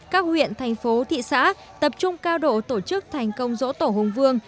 các huyện thành phố thị xã tập trung cao độ tổ chức thành công dỗ tổ hùng vương